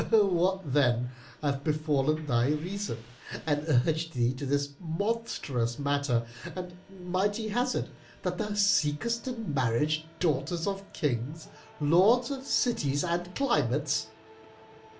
What then hath befallen thy reason and urged thee to this monstrous matter and mighty hazard, that thou seekest in marriage daughters of Kings, lords of cities and climates?